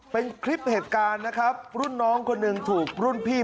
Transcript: เป็นคลิปเหตุการณ์นะครับรุ่นน้องคนหนึ่งถูกรุ่นพี่